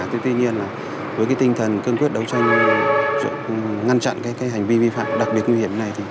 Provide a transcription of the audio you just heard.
tuy nhiên là với tinh thần cương quyết đấu tranh ngăn chặn cái hành vi vi phạm đặc biệt nguy hiểm này